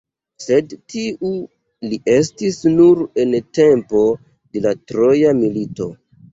Sed tiu li estis nur en tempo de la Troja milito.